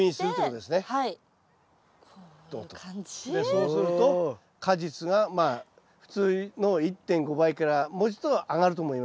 そうすると果実がまあ普通の１．５倍からもうちょっと上がると思いますけどねはい。